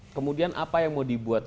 kemudian apa yang mau dibuat